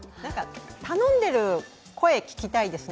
頼んでる声、聞きたいですね。